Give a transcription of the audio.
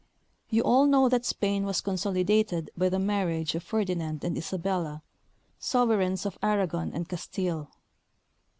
You all know that Spain was consolidated by the marriage of Ferdinand and Isabella, sovereigns of Aragon and Castile.